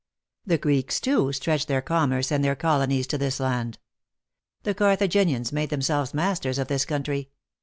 The Greeks, too, stretched their commerce and their colonies to this land. The Carthaginians made them selves masters of this country.